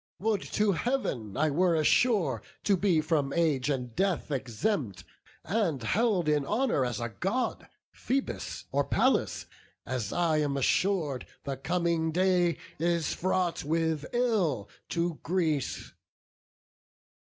Would to Heav'n I were as sure to be from age and death Exempt, and held in honour as a God, Phoebus, or Pallas, as I am assur'd The coming day is fraught with ill to Greece."